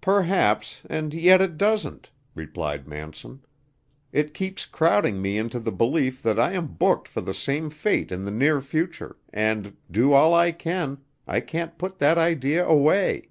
"Perhaps, and yet it doesn't," replied Manson. "It keeps crowding me into the belief that I am booked for the same fate in the near future, and, do all I can, I can't put that idea away."